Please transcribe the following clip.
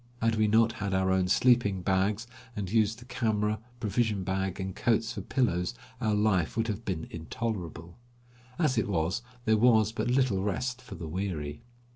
Had we not had our own sleeping bags, and used the camera, provision bag, and coats for pillows, our life would have been intolerable. As it was there was but little rest for the weary.